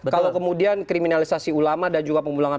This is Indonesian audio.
kalau kemudian kriminalisasi ulama dan juga pemulangan